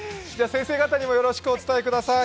先生方にもよろしくお伝えください。